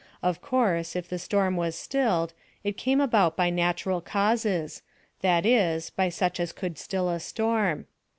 Of course, if the storm was stilled, it came about by natural causes that is, by such as could still a storm.